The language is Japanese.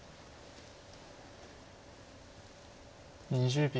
２０秒。